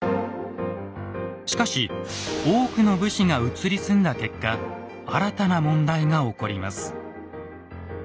しかし多くの武士が移り住んだ結果新たな問題が起こります。